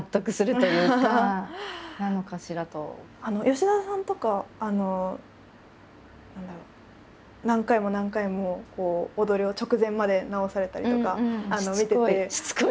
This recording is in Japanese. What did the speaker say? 吉田さんとか何だろう何回も何回も踊りを直前まで直されたりとか。